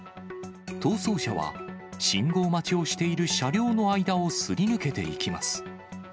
逃走車は、信号待ちをしている車両の間をすり抜けていきます。